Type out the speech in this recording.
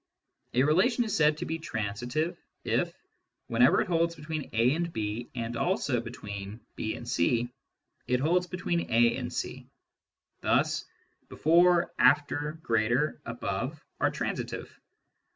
A relation is said to be transitive^ if, whenever it holds between A and B and also between B and C, it holds between A and C. Thus before^ after^ greater^ above are transitive.